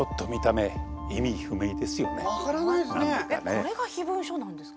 これが秘文書なんですか？